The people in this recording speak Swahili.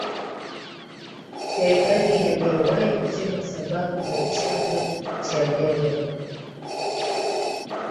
serikali haijawahi kusema sababu za chanzo cha ajali ya bukoka